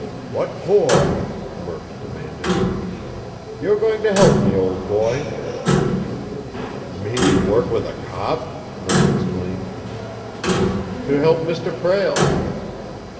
"What for?" Murk demanded. "You're going to help me, old boy." "Me work with a cop?" Murk exclaimed. "To help Mr. Prale."